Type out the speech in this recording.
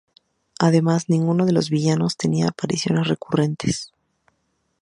Además, ninguno sus los villanos tenía apariciones recurrentes.